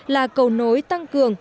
là cầu nối tăng cường